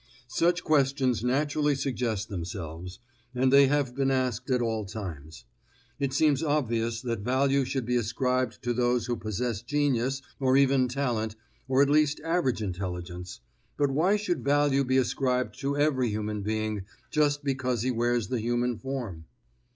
Such questions naturally suggest themselves; and they have been asked at all times. It seems obvious that value should be ascribed to those who possess genius or even talent, or at least average intelligence; but why should value be ascribed to every human being just because he wears the human form?